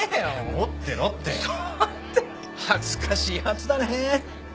持ってろって。恥ずかしいやつだね。